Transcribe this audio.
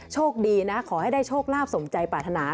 โชคดีนะขอให้ได้โชคลาภสมใจปรารถนา